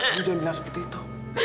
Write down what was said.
kamil jangan bilang seperti itu